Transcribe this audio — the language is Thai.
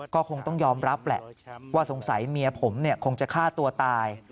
ก็คงต้องยอมรับแหละว่าสงสัยเมียผมคงจะฆ่าตัวตาย